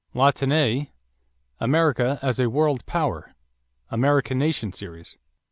= Latané, America as a World Power (American Nation Series), pp.